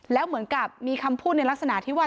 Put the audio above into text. แล้วเหมือนกับมีคำพูดในลักษณะที่ว่า